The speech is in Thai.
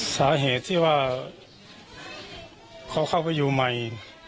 สาเหตุที่ว่าเขาเข้าไปอยู่ใหม่